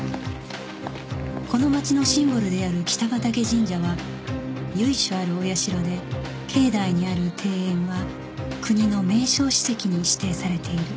この町のシンボルである北畠神社は由緒あるお社で境内にある庭園は国の名勝史跡に指定されている